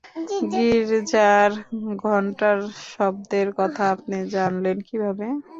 গির্জার ঘন্টার শব্দের কথা আপনি জানলেন কীভাবে?